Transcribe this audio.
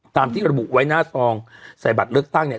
ตามที่ระบุไว้หน้าซองใส่บัตรเลือกตั้งเนี่ย